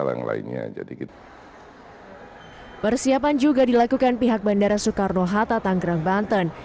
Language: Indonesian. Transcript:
yang lainnya jadi gitu persiapan juga dilakukan pihak bandara soekarno hatta tanggerang banten